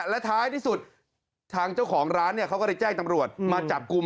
และท้ายที่สุดทางเจ้าของร้านเนี่ยเขาก็เลยแจ้งตำรวจมาจับกลุ่ม